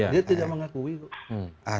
dia tidak mengakui